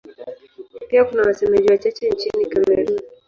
Pia kuna wasemaji wachache nchini Kamerun.